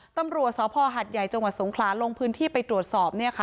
ตำรวจสภหัดใหญ่จังหวัดสงขลาลงพื้นที่ไปตรวจสอบ